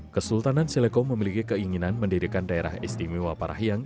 kesultanan seleko memiliki keinginan mendirikan daerah istimewa parahyang